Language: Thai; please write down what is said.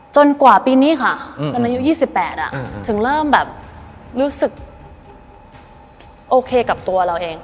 กว่าปีนี้ค่ะจนอายุ๒๘ถึงเริ่มแบบรู้สึกโอเคกับตัวเราเอง